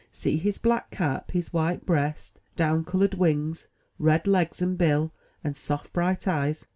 See his black cap, his white breast, down colored wings, red legs and bill, and soft, bright eyes.